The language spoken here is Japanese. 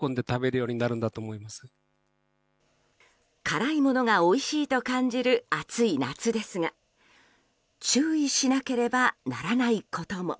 辛いものがおいしいと感じる暑い夏ですが注意しなければならないことも。